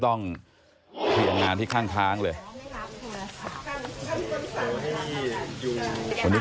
หลังจากไปปฏิบัติภารกิจที่ถ้ำหลวงหลายวัน